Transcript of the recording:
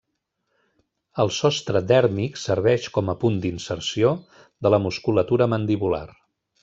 El sostre dèrmic serveix com a punt d'inserció de la musculatura mandibular.